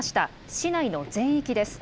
市内の全域です。